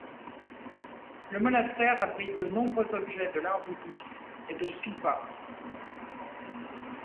Le monastère abrite de nombreux objets de l'art bouddhiste et de stupa.